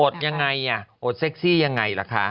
ยังไงอ่ะอดเซ็กซี่ยังไงล่ะคะ